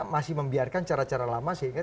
masih membiarkan cara cara lama sehingga